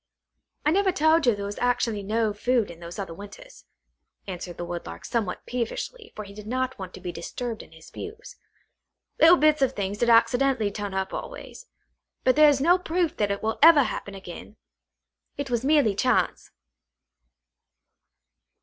"I never told you there was actually no food in those other winters," answered the Woodlark somewhat peevishly, for he did not want to be disturbed in his views. "little bits of things did accidentally turn up always. But there is no proof that it will ever happen again. It was merely chance!"